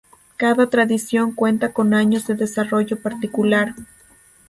Cada tradición cuenta con años de desarrollo particular.